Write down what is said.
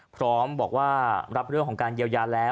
พร้อมบอกว่ารับเรื่องของการเยียวยาแล้ว